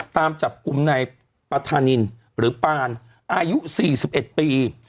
ตามจับกลุ่มในประธานินหรือปานอายุสี่สิบเอ็ดปี